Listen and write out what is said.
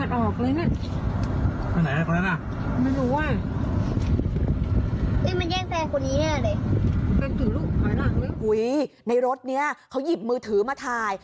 เอ้ยมาแย่งแฟนคนนี้แหละเลยในรถเนี้ยเขายิบมือถือมาถ่าย